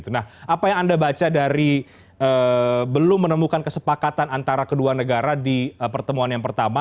nah apa yang anda baca dari belum menemukan kesepakatan antara kedua negara di pertemuan yang pertama